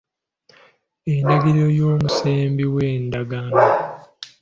Endagiriro y'omusembi w'endagaano.